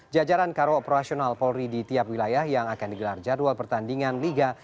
jajaran karo operasional polri di tiap wilayah yang akan digelar jadwal pertandingan liga